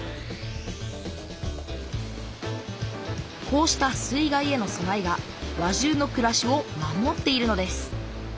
こうした水害へのそなえが輪中のくらしを守っているのです。